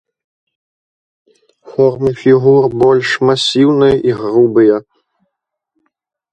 Формы фігур больш масіўныя і грубыя.